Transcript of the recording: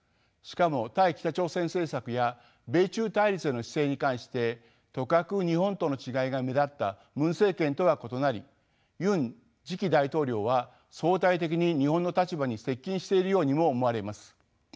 しかも対北朝鮮政策や米中対立への姿勢に関してとかく日本との違いが目立ったムン政権とは異なりユン次期大統領は相対的に日本の立場に接近しているようにも思われます。